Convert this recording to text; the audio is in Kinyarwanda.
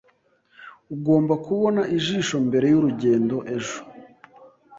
Ugomba kubona ijisho mbere yurugendo ejo.